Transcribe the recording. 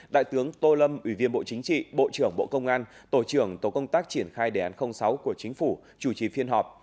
đại tướng tô lâm ủy viên bộ chính trị bộ trưởng bộ công an tổ trưởng tổ công tác triển khai đề án sáu của chính phủ chủ trì phiên họp